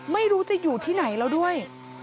ไม่รู้จะอยู่ที่ไหนแล้วด้วย